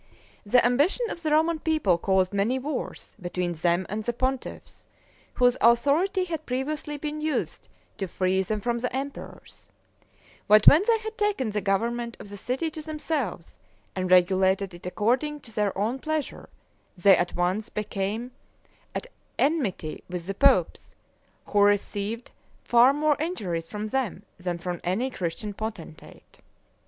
The ambition of the Roman people caused many wars between them and the pontiffs, whose authority had previously been used to free them from the emperors; but when they had taken the government of the city to themselves, and regulated it according to their own pleasure, they at once became at enmity with the popes, who received far more injuries from them than from any Christian potentate.